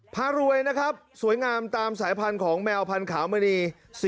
พารวยนะครับสวยงามตามสายพันธุ์ของแมวพันธมณี